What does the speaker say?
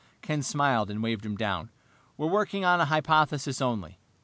Ken smiled and waved him down. "We're working on a hypothesis only.